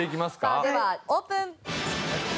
さあではオープン。